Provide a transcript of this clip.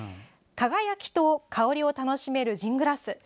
輝きと香りを楽しめるジングラス